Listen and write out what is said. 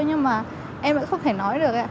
nhưng mà em cũng không thể nói được